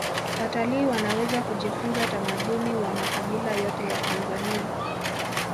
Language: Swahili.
watalii wanaweza kujifunza utamaduni wa makabila yote ya tanzania